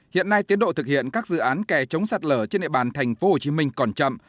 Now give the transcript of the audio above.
hiện nay tiến độ thực hiện các dự án kè chống sạt lở trên địa bàn thành phố hồ chí minh còn chậm